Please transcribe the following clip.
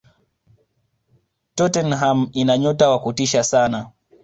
tottenham ina nyota wa kutisha sana